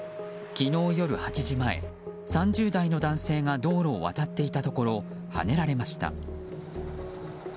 昨日夜８時前、３０代の男性が道路を渡っていたところはねられました。